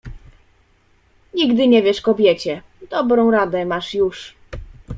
nigdy nie wierz kobiecie, dobrą radę masz już